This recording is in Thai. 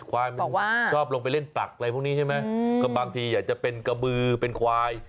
ควายมันบอกว่าชอบลงไปเล่นตักอะไรพวกนี้ใช่ไหมก็บางทีอยากจะเป็นกระบือเป็นควาย